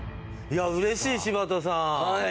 いや嬉しい柴田さん！